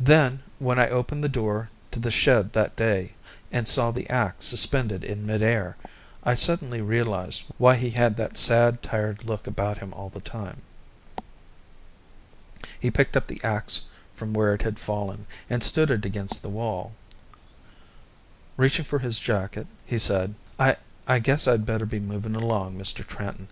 Then, when I opened the door to the shed that day, and saw the axe suspended in mid air, I suddenly realized why he had that sad, tired look about him all the time. He picked up the axe from where it had fallen, and stood it against the wall. Reaching for his jacket, he said, "I I guess I'd better be moving along, Mr. Tranton.